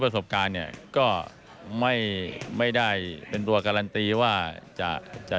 ประสบการณ์เนี่ยก็ไม่ไม่ได้เป็นตัวการันตีว่าจะจะ